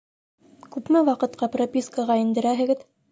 Күпме ваҡытҡа пропискаға индерәһегеҙ?